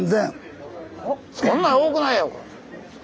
そんな多くないよ。